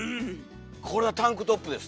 これはタンクトップですね。